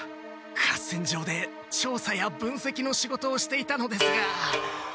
合戦場でちょうさやぶんせきの仕事をしていたのですが。